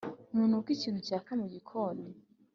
ntunuka ikintu cyaka mugikoni?